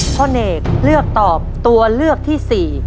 ข้อเนกเลือกตอบตัวเลือกที่สี่